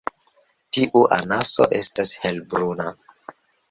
Tiu anaso estas helbruna.